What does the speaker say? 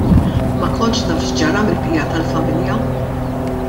Ma kontx naf x'ġara mill-bqija tal-familja.